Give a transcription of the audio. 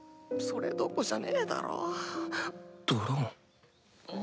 それどころじゃねえだろ。